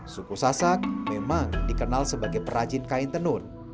suku sasak memang dikenal sebagai perajin kain tenun